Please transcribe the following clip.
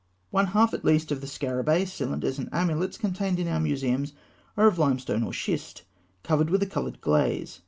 One half at least of the scarabaei, cylinders, and amulets contained in our museums are of limestone or schist, covered with a coloured glaze.